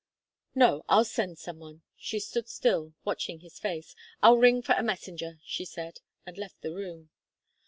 "No. I'll send some one." She stood still, watching his face. "I'll ring for a messenger," she said, and left the room.